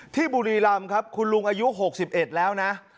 บุรีรำครับคุณลุงอายุ๖๑แล้วนะ